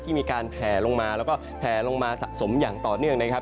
มีการแผลลงมาแล้วก็แผลลงมาสะสมอย่างต่อเนื่องนะครับ